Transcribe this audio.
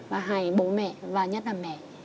và hãy bố mẹ và nhất là mẹ